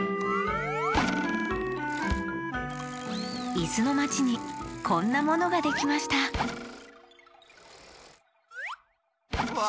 いすのまちにこんなものができましたわあ。